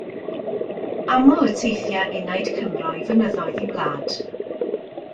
Aml y teithia enaid Cymro i fynyddoedd ei wlad.